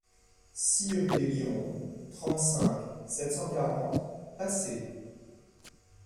six rue des Lirons, trente-cinq, sept cent quarante, Pacé